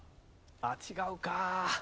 あっ違うか。